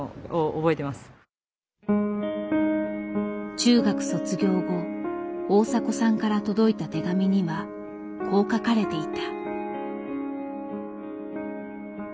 中学卒業後大迫さんから届いた手紙にはこう書かれていた。